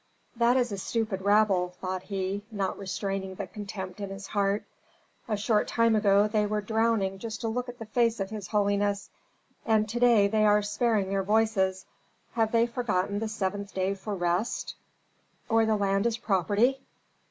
"That is a stupid rabble," thought he, not restraining the contempt in his heart. "A short time ago they were drowning just to look at the face of his holiness, and to day they are sparing their voices. Have they forgotten the seventh day for rest, or the land as property?"